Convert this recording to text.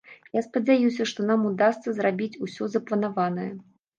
Я спадзяюся, што нам удасца зрабіць усё запланаванае.